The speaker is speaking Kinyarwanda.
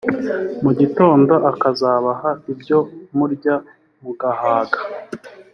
mu gitondo akazabaha ibyo murya mugahaga